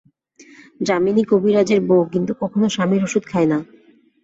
যামিনী কবিরাজের বৌ কিন্তু কখনো স্বামীর ওষুধ খায় না।